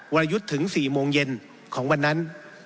วรยุทธ์ถึง๔โมงเย็นของวันนั้น